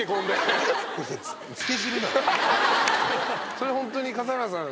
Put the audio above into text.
それホントに笠原さん